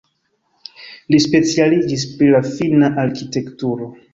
Li specialiĝis pri la finna arkitekturo.